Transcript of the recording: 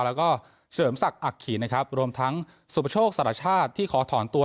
แล้วก็เฉลิมศักดิ์อักขีนะครับรวมทั้งสุปโชคสารชาติที่ขอถอนตัว